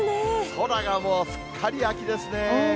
空がもうすっかり秋ですね。